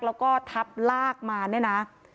แล้วก็ทับลากมานะนะ